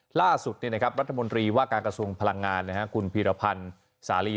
หลายล่าสุดในครับรัฐมนตรีห๐๐๔๖พลังงานในที่คุณพีรพันธ์สาลี